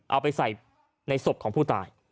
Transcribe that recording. เอาไปใส่ในศพของผู้ตาย